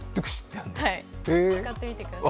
使ってみてください。